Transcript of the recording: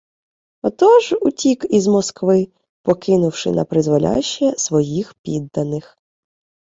Отож утік із Москви, покинувши напризволяще своїх підданих